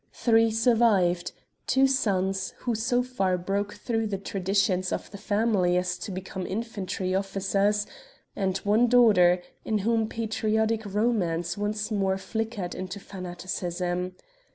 Three survived; two sons, who so far broke through the traditions of the family as to become infantry officers, and one daughter, in whom patriotic romance once more flickered into fanaticism.